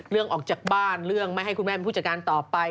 ออกจากบ้านเรื่องไม่ให้คุณแม่เป็นผู้จัดการต่อไป